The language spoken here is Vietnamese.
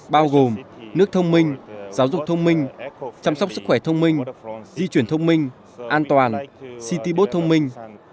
bao gồm nước thông minh giáo dục thông minh chăm sóc sức khỏe thông minh di chuyển thông minh an toàn city bote thông minh